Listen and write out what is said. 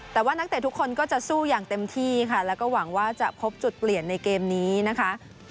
แต่ว่านักเตะทุกคนก็จะสู้อย่างเต็มที่ค่ะแล้วก็หวังว่าจะพบจุดเปลี่ยนในเกมนี้นะคะ